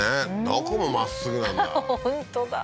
どこもまっすぐなんだ